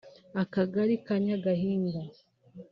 akagari ka Nyagahinga